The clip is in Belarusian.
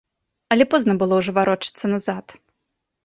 Але позна было ўжо варочацца назад.